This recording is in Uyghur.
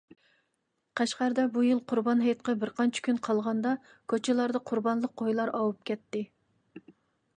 قەشقەردە بۇ يىل قۇربان ھېيتقا بىرقانچە كۈن قالغاندا كوچىلاردا قۇربانلىق قويلار ئاۋۇپ كەتتى.